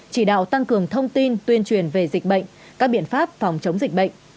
chỉ đạo tăng cường thông tin tuyên truyền về dịch bệnh các biện pháp phòng chống dịch bệnh